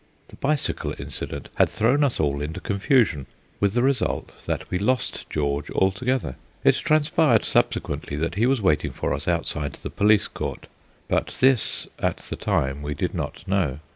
The bicycle incident had thrown us all into confusion, with the result that we lost George altogether. It transpired subsequently that he was waiting for us outside the police court; but this at the time we did not know.